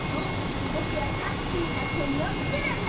ぼくはさっきみたセミをつくるんだ。